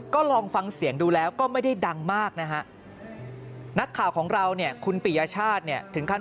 ก็ลองฟังเสียงดูแล้วก็ไม่ได้ดังมากนะฮะ